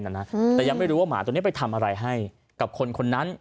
แต่ยังไม่รู้ว่าหมาตัวนี้ไปทำอะไรให้กับคนคนนั้น